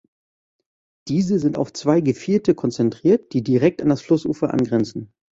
Diese sind auf zwei Gevierte konzentriert, die direkt an das Flussufer angrenzen.